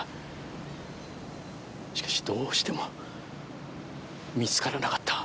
しかしどうしても見つからなかった。